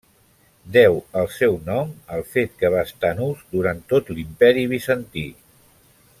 Deu el seu nom al fet que va estar en ús durant tot l'Imperi bizantí.